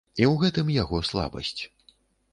І ў гэтым яго слабасць.